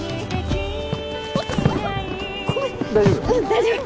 大丈夫。